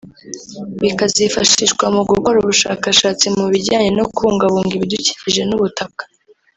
bikazifashishwa mu gukora ubushakashatsi mu mu bijyanye no kubungabunga ibidukikije n’ubutaka